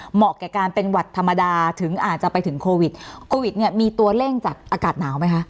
แก่การเป็นหวัดธรรมดาถึงอาจจะไปถึงโควิดโควิดเนี่ยมีตัวเร่งจากอากาศหนาวไหมคะ